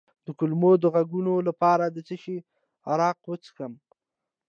د کولمو د غږونو لپاره د څه شي عرق وڅښم؟